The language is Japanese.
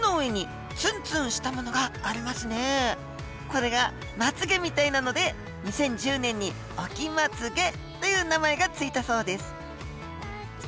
これがまつげみたいなので２０１０年に「オキマツゲ」という名前が付いたそうです。